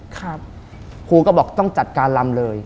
ครูก็บอกต้องจัดการลำเลย